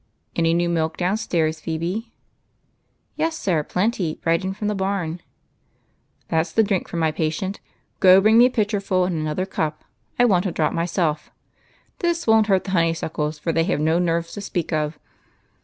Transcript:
Any new milk downstairs, Phebe?" "Yes, sir, plenty, — right in from the barn." " That 's the drink for my patient. Go bring me a UNCLES. 31 pitcherful, and another ciip ; I want a draught myself. This won't hurt the honeysuckles, for they have no nerves to speak of."